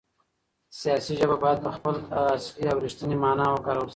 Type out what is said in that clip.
سياسي ژبه بايد په خپله اصلي او رښتينې مانا وکارول سي.